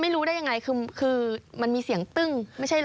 ไม่รู้ได้ยังไงคือมันมีเสียงตึ้งไม่ใช่เหรอ